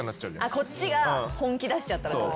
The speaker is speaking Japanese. こっちが本気出しちゃったらってこと？